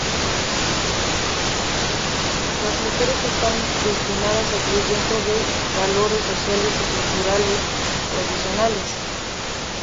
Las mujeres están destinadas a vivir dentro de valores sociales y culturales tradicionales.